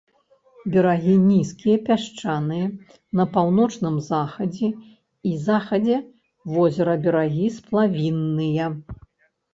Берагі нізкія, пясчаныя, на паўночным захадзе і захадзе возера берагі сплавінныя.